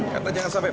kata jangan sampai